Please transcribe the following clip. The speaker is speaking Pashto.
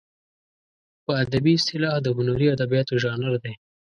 په ادبي اصطلاح د هنري ادبیاتو ژانر دی.